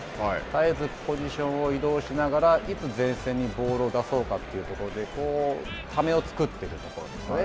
絶えずポジションを移動しながら、いつ前線にボールを出そうかというところで、ためを作っているところですね。